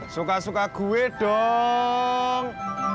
suka suka gue dong